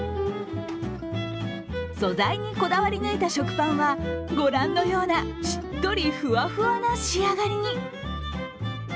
素材にこだわり抜いた食パンは御覧のようなしっとり、ふわふわな仕上がりに。